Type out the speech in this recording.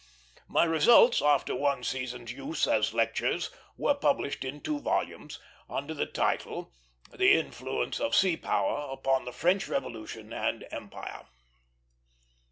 My results, after one season's use as lectures, were published in two volumes, under the title The Influence of Sea Power upon the French Revolution and Empire.